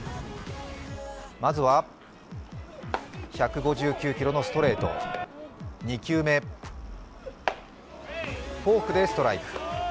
まずは１５９キロのストレート２球目、フォークでストライク。